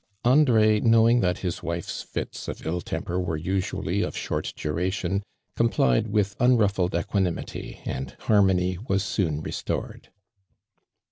Andre knowing that his wife's fits of ill temper were usually of short duration, com piled with imruffled equanimity, and harmony was soon restored.